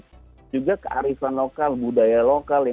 dan juga kearifan lokal budaya lokal